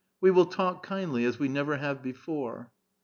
We will talk kindly, as we never have before."